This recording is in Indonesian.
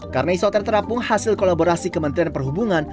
karena isoter terapung hasil kolaborasi kementerian perhubungan